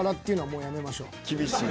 厳しい。